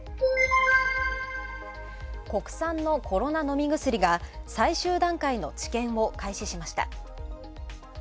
国産のコロナ飲み薬が最終段階の治験を開始しました。